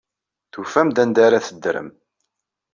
Tufam-d anda ara teddrem.